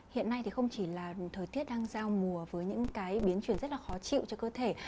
hiện nay thì không chỉ là thời tiết đang giao mùa với những cái biến chuyển rất là khó chịu cho cơ thể